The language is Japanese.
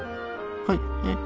はい。